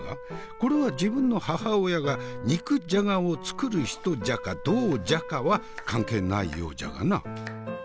これは自分の母親が肉じゃがを作る人じゃかどうじゃかは関係ないようじゃがな。